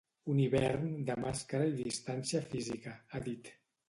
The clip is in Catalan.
Un hivern de màscara i de distància física, ha dit.